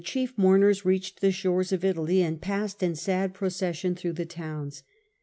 at ^ chief mourners reached the shores of Italy, hisdeafhwL and passed in sad procession through the towns.